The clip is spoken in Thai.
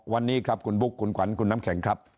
วันนี้ครับคุณบุ๊คคุณขวัญคุณน้ำแข็งครับ